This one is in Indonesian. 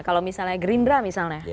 kalau misalnya gerindra misalnya